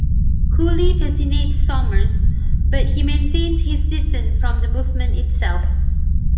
Cooley fascinates Somers, but he maintains his distance from the movement itself.